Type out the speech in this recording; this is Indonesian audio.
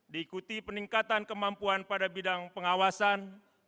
diikuti peningkatan kemampuan pada bidang pengawasan